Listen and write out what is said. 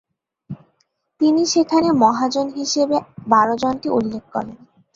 তিনি সেখানে মহাজন হিসেবে বারো জনকে উল্লেখ করেন।